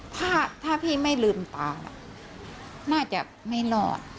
ถ้าพี่ไม่ลืมตาน่าจะไม่รอด